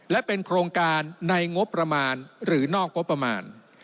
และเป็นโครงการในงบประมาณหรือนอกงบประมาณ